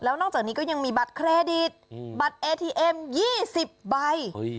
แล้วนอกจากนี้ก็ยังมีบัตรเครดิตอืมบัตรเอทีเอ็มยี่สิบใบอุ้ย